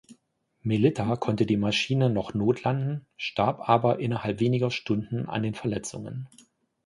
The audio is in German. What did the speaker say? Melitta konnte die Maschine noch notlanden, starb aber innerhalb weniger Stunden an den Verletzungen.